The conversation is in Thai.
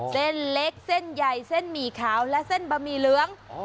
เส้นเล็กเส้นใหญ่เส้นหมี่ขาวและเส้นบะหมี่เหลือง